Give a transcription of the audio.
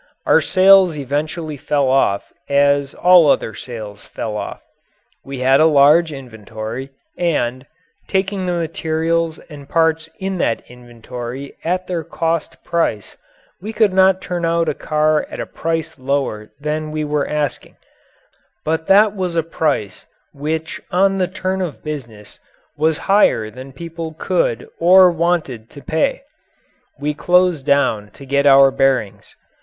Our sales eventually fell off as all other sales fell off. We had a large inventory and, taking the materials and parts in that inventory at their cost price, we could not turn out a car at a price lower than we were asking, but that was a price which on the turn of business was higher than people could or wanted to pay. We closed down to get our bearings.